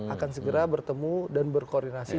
akan segera bertemu dan berkoordinasi